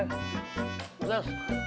veri terima kasih